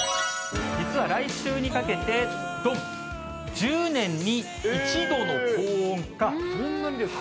実は来週にかけて、そんなにですか？